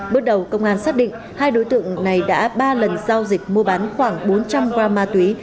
bước đầu công an xác định hai đối tượng này đã ba lần giao dịch mua bán khoảng bốn trăm linh gram ma túy